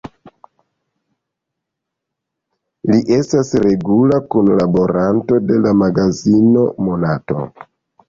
Li estas regula kunlaboranto de la magazino "Monato".